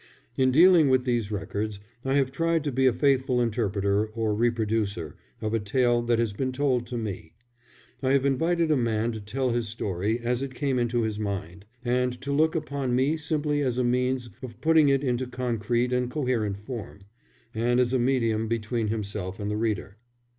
In dealing with these records I have tried to be a faithful interpreter or reproducer of a tale that has been told to me. I have invited a man to tell his story as it came into his mind, and to look upon me simply as a means of putting it into concrete and coherent form, and as a medium between himself and the reader.